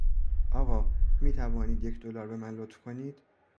آقا، میتوانید یک دلار به من لطف کنید؟